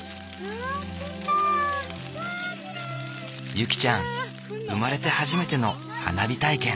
ゆきちゃん生まれて初めての花火体験。